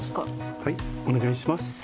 ・はいお願いします